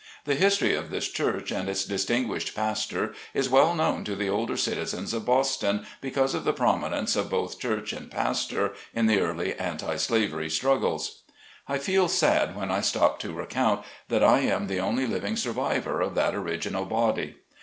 The history of this church and its dis tinguished pastor is well known to the older citizens of Boston, because of the prominence of both church and pastor in the early anti slavery struggles. 42 SLAVE CABIN TO PULPIT. I feel sad when I stop to recount, that I am the only living surviver of that original body.